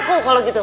ngaku kalau gitu